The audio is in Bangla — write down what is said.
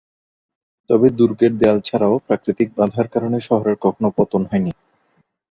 তবে দুর্গের দেয়াল ছাড়াও প্রাকৃতিক বাধার কারণে শহরের কখনো পতন হয়নি।